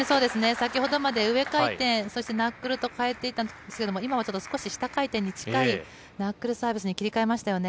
先ほどまで上回転、そしてナックルと変えていたんですけれども、今はちょっと少し下回転に近いナックルサービスに切り替えましたよね。